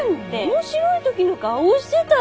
面白い時の顔をしてたぞ。